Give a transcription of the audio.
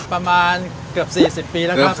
ประมาณเกือบ๔๐ปีแล้วครับ